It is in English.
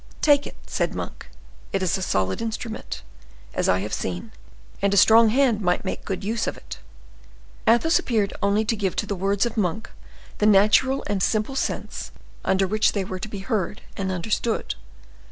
"Take it," said Monk; "it is a solid instrument, as I have seen, and a strong hand might make good use of it." Athos appeared only to give to the words of Monk the natural and simple sense under which they were to be heard and understood.